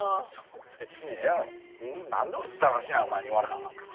何でだらしないお前に言われなあかんねん。